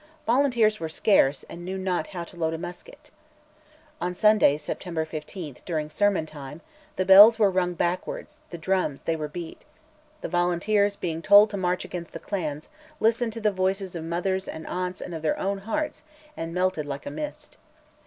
Volunteers were scarce, and knew not how to load a musket. On Sunday, September 15, during sermon time, "The bells were rung backwards, the drums they were beat," the volunteers, being told to march against the clans, listened to the voices of mothers and aunts and of their own hearts, and melted like a mist.